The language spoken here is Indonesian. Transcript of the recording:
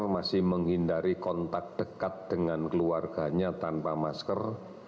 masih menghindari kontak dekat dengan keluarganya tanpa masker